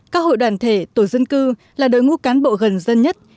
các hội đoàn thể tổ dân cư là đội ngũ cán bộ gần dân nhất